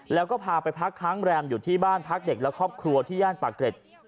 แล้วก็พาไปพักค้างแรมอยู่ที่บ้านพักเด็กและครอบครัวที่ย่านปากเกร็ด